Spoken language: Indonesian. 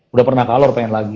udah pernah ke alor pengen lagi